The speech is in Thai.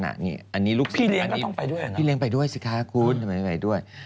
อันนี้ลูกศึกอันนี้พี่เลี้ยงก็ต้องไปด้วยนะพี่เลี้ยงไปด้วยสิค่ะคุณไปด้วย